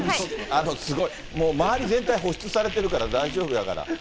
もう、周り全体保湿されてるから大丈夫やから。